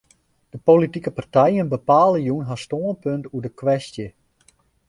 De politike partijen bepale jûn har stânpunt oer de kwestje.